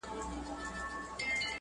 شناخته صاحب د خپل وخت